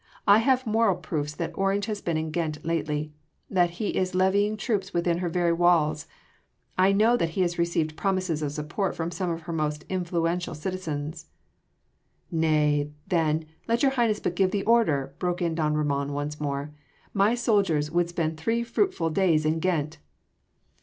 I have moral proofs that Orange has been in Ghent lately, that he is levying troops within her very walls I know that he has received promises of support from some of her most influential citizens..." "Nay, then, let your Highness but give the order," broke in don Ramon once more, "my soldiers would spend three fruitful days in Ghent."